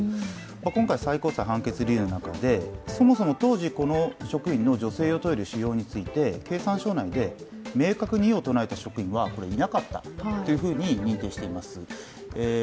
今回最高裁、判決理由の中で、そもそも当時のこの職員の女性用トイレの使用について経産省内で、明確に異を唱えた職員はいなかったと認定しています。